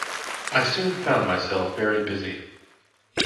I soon found myself very busy.